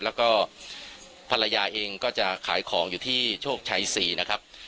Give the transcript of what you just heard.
แล้วก็ภรรยาเองก็จะขายของอยู่ที่โชคชัย๔นะครับ